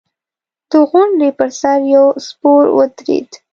د غونډۍ پر سر يو سپور ودرېد.